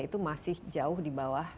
itu masih jauh di bawah